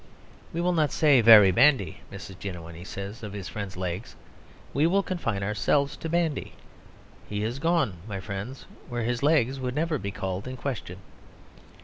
"We will not say very bandy, Mrs. Jiniwin," he says of his friend's legs, "we will confine ourselves to bandy. He is gone, my friends, where his legs would never be called in question."